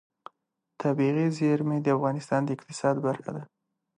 طبیعي زیرمې د افغانستان د اقتصاد برخه ده.